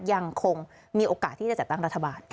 ยังคงมีโอกาสที่จะจัดตั้งรัฐบาล